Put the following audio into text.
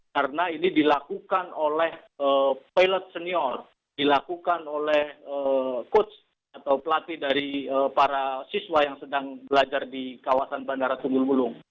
karena ini dilakukan oleh pilot senior dilakukan oleh coach atau pelatih dari para siswa yang sedang belajar di kawasan bandara tunggul mulung